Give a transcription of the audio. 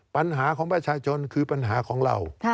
ปัญหาของประชาชนคือปัญหาของเรา